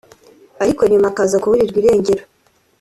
ariko nyuma akaza kuburirwa irengero